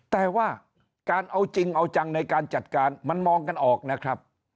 แต่ว่าการเอาจริงเอาจังในการจัดการมันมองกันออกนะครับ